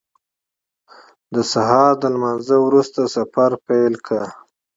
د سهار له لمانځه وروسته سفر پیل کړ.